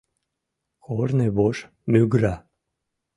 Корнывож мӱгыра.